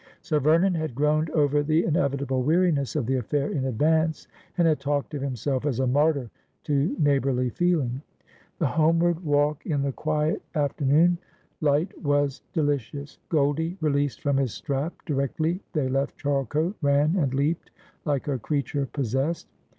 Sir Vernon had groaned over the inevitable weariness of the affair in advance, and had talked of himself as a martyr to neighbourly feeling. The homeward walk in the quiet afternoon light was deli cious. Goldie, released from his strap directly they left Charle cote, ran and leapt like a creature possessed.